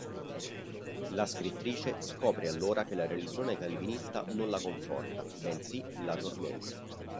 La scrittrice scopre allora che la religione calvinista non la conforta, bensì la tormenta.